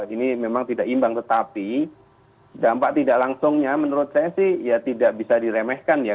ini memang tidak imbang tetapi dampak tidak langsungnya menurut saya sih ya tidak bisa diremehkan ya